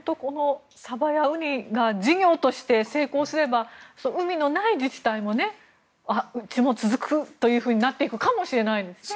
サバやウニが事業として成功すれば海のない自治体もうちも続くというふうになっていくかもしれないですね。